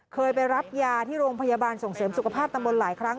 เคยไปรับยาที่โรงพยาบาลส่งเสริมสุขภาพตำบลหลายครั้ง